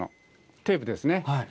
テープですね。